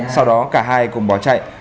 sau đó cả hai cùng bỏ chạy